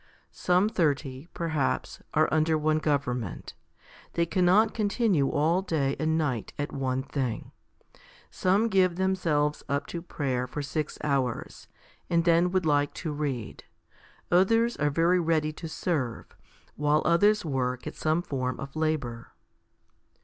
Some thirty, perhaps, are under one government ; they cannot continue all day and night at one thing. Some give themselves up to prayer for six hours, and then would like to read ; others are very ready to serve, while others work at some form of labour.